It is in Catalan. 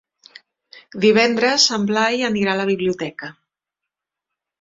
Divendres en Blai anirà a la biblioteca.